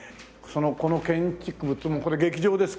この建築物もこれ劇場ですか？